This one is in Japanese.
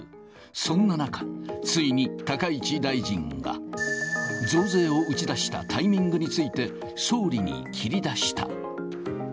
そんな中、ついに高市大臣が、増税を打ち出したタイミングについて、総理に切り出した。